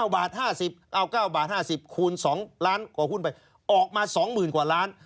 ๙บาท๕๐เอา๙บาท๕๐คูณ๒ล้านกว่าหุ้นไปออกมา๒๐๐๐กว่าล้าน